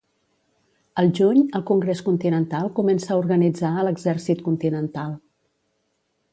Al juny, el Congrés Continental comença a organitzar a l'Exèrcit Continental.